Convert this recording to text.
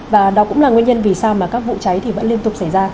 và đó cũng là nguyên nhân vì sao mà các vụ cháy thì vẫn liên tục xảy ra